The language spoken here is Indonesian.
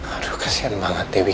aduh kasihan banget dewi